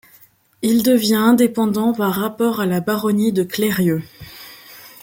Il devient indépendant par rapport à la baronnie de Clérieux.